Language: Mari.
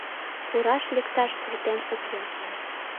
Пураш-лекташ суртем уке